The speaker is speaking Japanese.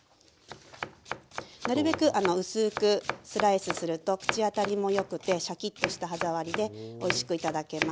なるべく薄くスライスすると口当たりもよくてシャキッとした歯触りでおいしく頂けます。